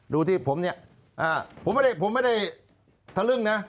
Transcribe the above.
ดูที่ผมเนี่ยผมไม่ได้ผมไม่ได้ทะลึ่งนะ